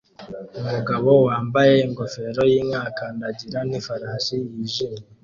Umugabo wambaye ingofero yinka akandagirwa nifarashi yijimye